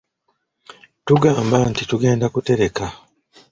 Tugamba nti tugenda kutereka.